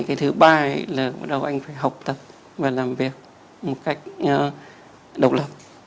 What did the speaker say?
cái thứ ba là bắt đầu anh phải học tập và làm việc một cách độc lập